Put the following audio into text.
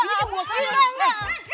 ini bukan buat saya